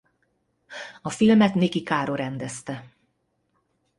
A filmet Niki Caro rendezte.